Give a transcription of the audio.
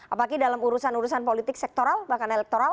apakah dalam urusan urusan politik sektoral bahkan elektoral